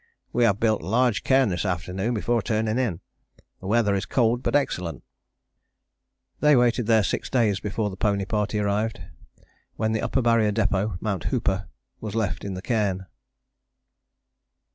We have built a large cairn this afternoon before turning in. The weather is cold but excellent." They waited there six days before the pony party arrived, when the Upper Barrier Depôt (Mount Hooper) was left in the cairn.